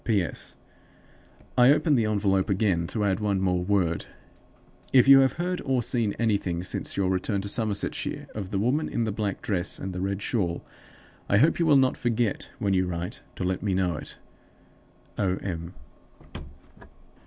"P.S. I open the envelope again to add one word more. If you have heard or seen anything since your return to Somersetshire of the woman in the black dress and the red shawl, I hope you will not forget, when you write, to let me know it. "O. M."